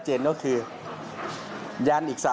แล้วก็เรียกเพื่อนมาอีก๓ลำ